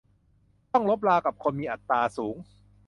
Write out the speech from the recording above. ต้องรบรากับคนมีอัตตาสูง